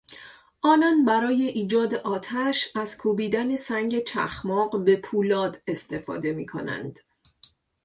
آنان برای ایجاد آتش از کوبیدن سنگ چخماق به پولاد استفاده میکنند.